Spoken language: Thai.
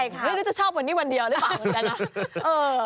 นี่จะชอบวันนี้วันเดียวหรือเปล่าเหรอ